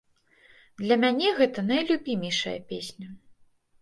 Для мяне гэта найлюбімейшая песня.